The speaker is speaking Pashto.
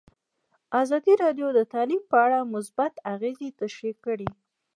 ازادي راډیو د تعلیم په اړه مثبت اغېزې تشریح کړي.